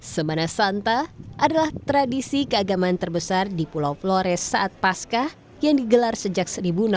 semana santa adalah tradisi keagamaan terbesar di pulau flores saat pasca yang digelar sejak seribu enam ratus